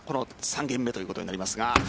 ３ゲーム目ということになります。